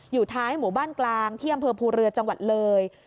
อยู่ท้ายหมู่บ้านกลางที่อำเภอภูเรือจังหวัดเลย